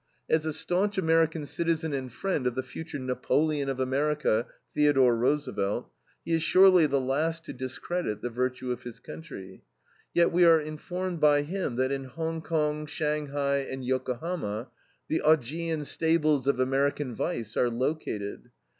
As a staunch American citizen and friend of the future Napoleon of America, Theodore Roosevelt, he is surely the last to discredit the virtue of his country. Yet we are informed by him that in Hong Kong, Shanghai, and Yokohama, the Augean stables of American vice are located.